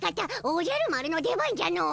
おじゃる丸の出番じゃの。